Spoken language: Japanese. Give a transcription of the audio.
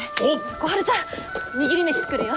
小春ちゃん握り飯作るよ！